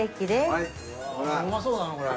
うまそうだなこれ。